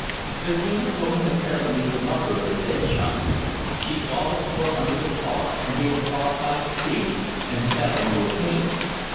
There came a woman, apparently the mother of the dead child. She saw the form under the car, and gave a horrified scream, and fell into a faint.